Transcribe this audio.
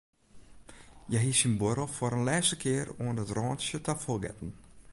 Hja hie syn buorrel foar in lêste kear oan it rântsje ta fol getten.